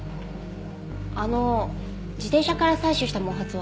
あの自転車から採取した毛髪は？